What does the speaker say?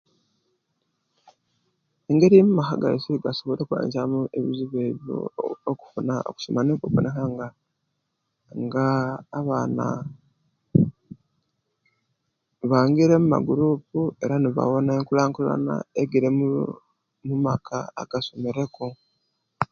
Engeri amaka gaisu agasobweire ku ebizibu ebyo okufuna okusoma nikwo okuboneka nga Aah abaana bangira mumagurupu era nebawona enkulankulana egiri mumaka agasomereku.